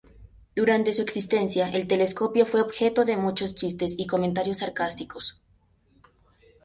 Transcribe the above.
Durante su existencia, el telescopio fue objeto de muchos chistes y comentarios sarcásticos.